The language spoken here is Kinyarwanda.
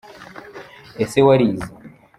Ese warize?